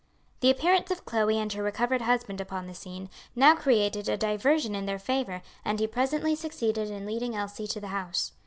The appearance of Chloe and her recovered husband upon the scene, now created a diversion in their favor, and he presently succeeded in leading Elsie to the house.